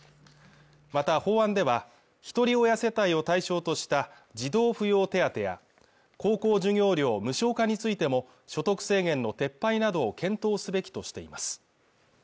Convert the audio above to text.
また法案ではひとり親世帯を対象とした児童扶養手当や高校授業料無償化についても所得制限の撤廃などを検討すべきとしています